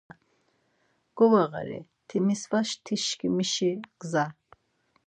Govağari Timisvatişǩimişi gza…